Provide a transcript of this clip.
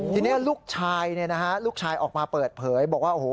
ทีนี้ลูกชายออกมาเปิดเผยบอกว่าโอ้โฮ